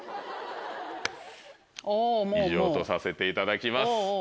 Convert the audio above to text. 以上とさせていただきます。